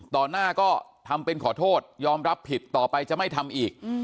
หน้าก็ทำเป็นขอโทษยอมรับผิดต่อไปจะไม่ทำอีก